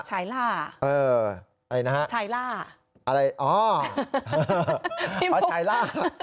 ชายล่าเอออะไรนะฮะชายล่าอะไรอ๋อพี่โปรด